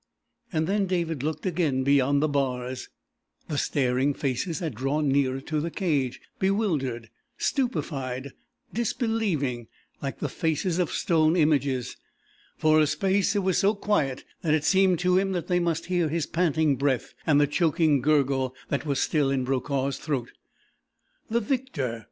And then David looked again beyond the bars. The staring faces had drawn nearer to the cage, bewildered, stupefied, disbelieving, like the faces of stone images. For a space it was so quiet that it seemed to him they must hear his panting breath and the choking gurgle that was still in Brokaw's throat. The victor!